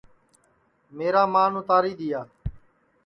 یوں میرا مان اُتاری دؔیا